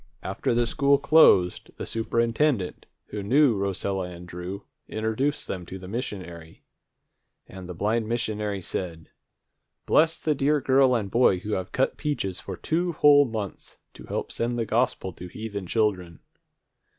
After the school closed, the superintendent, who knew Rosella and Drew, introduced them to the missionary. And the blind missionary said, "Bless the dear girl and boy who have cut peaches for two whole months to help send the gospel to heathen children!"